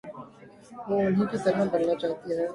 وہ انہی کی طرح بننا چاہتے تھے۔